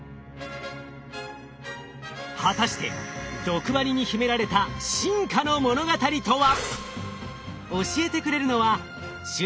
果たして毒針に秘められた進化の物語とは？